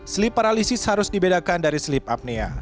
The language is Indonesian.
sleep paralysis harus dibedakan dari sleep apnea